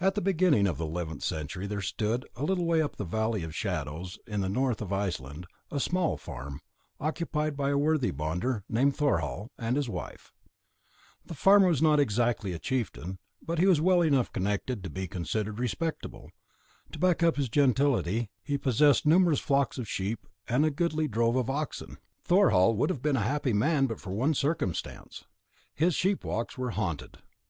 At the beginning of the eleventh century there stood, a little way up the Valley of Shadows in the north of Iceland, a small farm, occupied by a worthy bonder, named Thorhall, and his wife. The farmer was not exactly a chieftain, but he was well enough connected to be considered respectable; to back up his gentility he possessed numerous flocks of sheep and a goodly drove of oxen. Thorhall would have been a happy man but for one circumstance his sheepwalks were haunted.